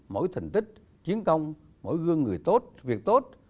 mỗi thành tích chiến công mỗi gương người tốt việc tốt